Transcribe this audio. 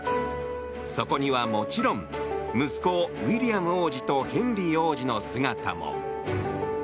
そこには、もちろん息子ウィリアム王子とヘンリー王子の姿も。